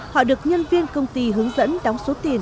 họ được nhân viên công ty hướng dẫn đóng số tiền